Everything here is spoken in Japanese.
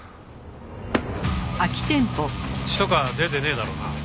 血とか出てねえだろうな。